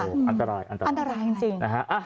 อันตรายอันตรายจริง